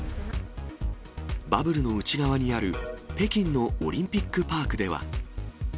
バブルの内側にある北京のオリンピックパークでは。